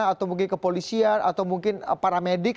atau mungkin kepolisian atau mungkin paramedik